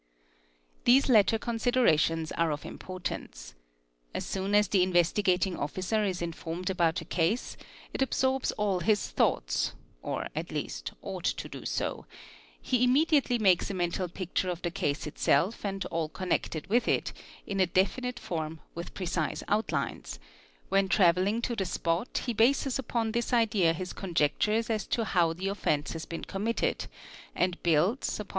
od These latter considerations are of importance. As soon as the In vestigating Officer is informed about a case it absorbs all his thoughts (01 at least, ought to do so), he immediately makes a mental picture of the case itself and all connected with it, in a definite form, with precise outlines ; when travelling to the spot he bases upon this idea his conje tures as to how the offence has been committed, and builds, upon.